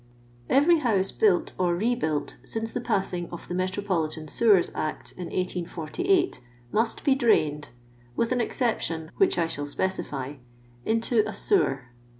Evert house built or rebuilt since the passing of the Metropolitan Sewers Act in 1848, must be drained, with an exception, which I shall specify, into a sewer.